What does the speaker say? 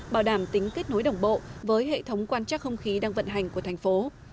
bảo đảm tính kết nối đồng bộ với hệ thống quan trắc không khí đang vận hành của thành phố